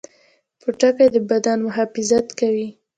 پوټکی د بدن محافظت کوي